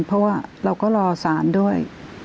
เพราะว่าเราก็รอสารด้วย